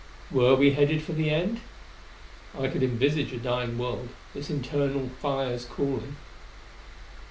Were we headed for the End? I could envisage a dying world, its internal fires cooling.